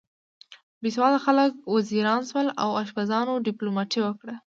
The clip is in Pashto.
بې سواده خلک وزیران شول او اشپزانو دیپلوماتۍ وکړه.